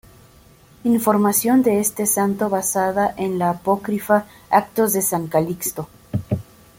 Información de este santo basada en la apócrifa "Actos de San Calixto".